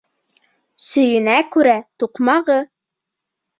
Сөйөнә күрә туҡмағы